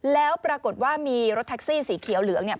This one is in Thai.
แล้วปรากฏว่ามีรถแท็กซี่สีเขียวเหลืองเนี่ย